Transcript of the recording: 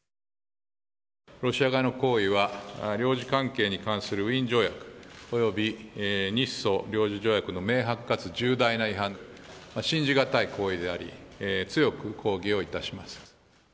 ロシア側の行為は、領事関係に関するウィーン条約、および日ソ領事条約の明白かつ重大な違反、信じ難い行為であり、強く抗議をいたします。